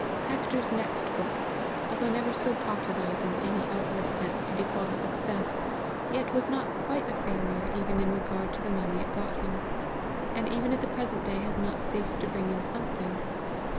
Hector's next book, although never so popular as in any outward sense to be called a success, yet was not quite a failure even in regard to the money it brought him, and even at the present day has not ceased to bring in something.